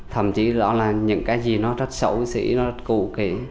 thậm chí đó là những cái gì nó rất xấu xỉ nó rất cụ kỷ